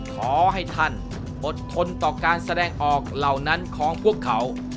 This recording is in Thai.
ขอให้ท่านอดทนต่อการแสดงออกเหล่านั้นของพวกเขา